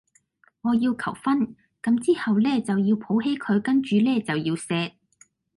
我要求婚，咁之後呢就要抱起佢跟住呢就要錫